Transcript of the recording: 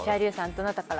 どなたから。